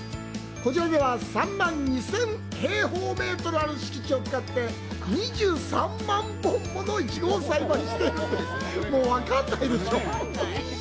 こちらでは、３万２０００平方メートルある敷地を使って２３万本ものイチゴを栽培しています。